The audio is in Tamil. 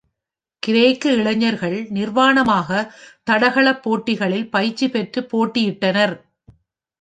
கிரேக்க இளைஞர்கள் நிர்வாணமாக தடகள போட்டிகளில் பயிற்சி பெற்று போட்டியிட்டனர்.